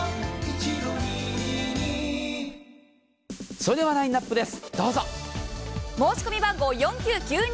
それではラインナップです。